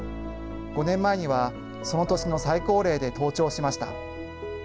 ５年前にはその年の最高齢で登頂しました。